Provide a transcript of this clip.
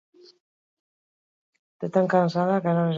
Ameriketako Estatu Batuetako mendebaldean eta Mexikon aurki daitezke.